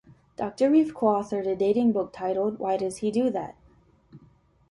Doctor Reef co-authored a dating book titled Why Does he do that?